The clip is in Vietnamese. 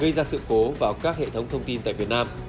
gây ra sự cố vào các hệ thống thông tin tại việt nam